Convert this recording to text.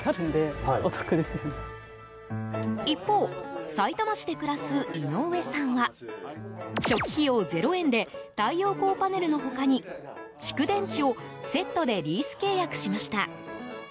一方、さいたま市で暮らす井上さんは初期費用０円で太陽光パネルの他に蓄電池をセットでリース契約しました。